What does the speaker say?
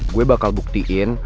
gue bakal buktiin